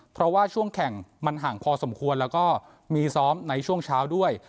เพราะว่าช่วงแข่งมันห่างพอสมควรแล้วก็มีซ้อมในช่วงเช้าด้วย